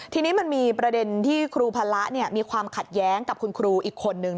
ทีนี้มันมีประเด็นที่ครูพละมีความขัดแย้งกับคุณครูอีกคนนึง